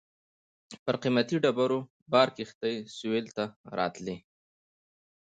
پر قیمتي ډبرو بار کښتۍ سېویل ته راتلې.